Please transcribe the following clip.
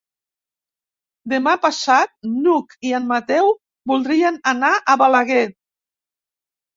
Demà passat n'Hug i en Mateu voldrien anar a Balaguer.